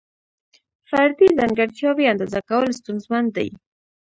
فردي ځانګړتیاوې اندازه کول ستونزمن دي.